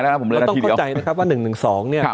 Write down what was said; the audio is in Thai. สุดท้ายแล้วนะเราต้องเข้าใจนะครับว่าหนึ่งหนึ่งสองเนี่ยครับ